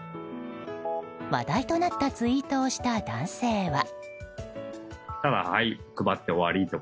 話題となったツイートをした男性は。